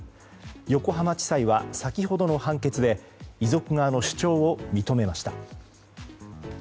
横浜地裁は先ほどの判決で遺族側の主張を認めました。